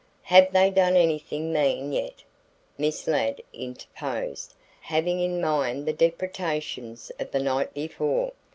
"Have they done anything mean yet?" Miss Ladd interposed, having in mind the depredations of the night before.